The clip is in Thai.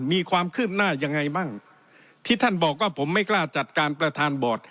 มีความคืบหน้ายังไงบ้างที่ท่านบอกว่าผมไม่กล้าจัดการประธานบอร์ด